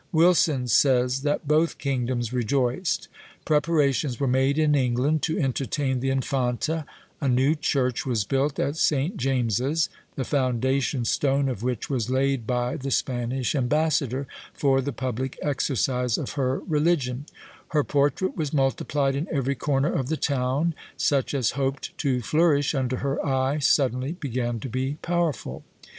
Wilson says that both kingdoms rejoiced: "Preparations were made in England to entertain the Infanta; a new church was built at St. James's, the foundation stone of which was laid by the Spanish ambassador, for the public exercise of her religion: her portrait was multiplied in every corner of the town; such as hoped to flourish under her eye suddenly began to be powerful.